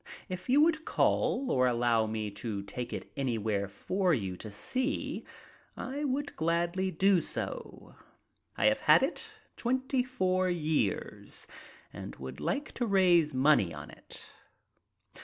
If you would call or allow me to take it anywhere for you to see, I would gladly do so. I have had it twenty four years, and would like to raise money on it."